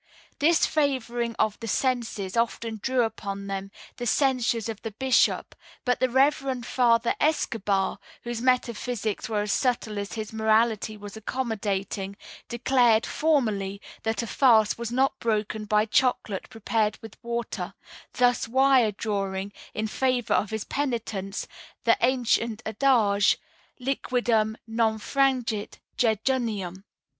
This favoring of the senses often drew upon them the censures of the bishop; but the Reverend Father Escobar, whose metaphysics were as subtle as his morality was accommodating, declared, formally, that a fast was not broken by chocolate prepared with water; thus wire drawing, in favor of his penitents, the ancient adage, '_Liquidum non frangit jejunium.